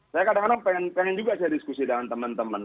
saya kadang kadang pengen juga saya diskusi dengan teman teman